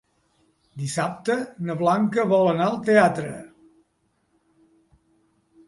Dissabte na Blanca vol anar al teatre.